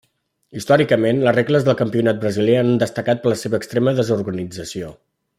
Històricament, les regles del campionat brasiler han destacat per la seva extremada desorganització.